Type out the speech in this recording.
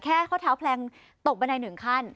ข้อเท้าแพลงตกบันไดหนึ่งขั้น